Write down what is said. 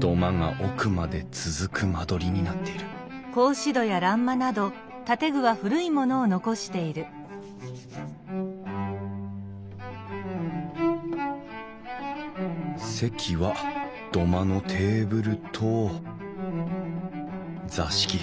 土間が奥まで続く間取りになっている席は土間のテーブルと座敷。